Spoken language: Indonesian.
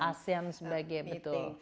asean sebagai betul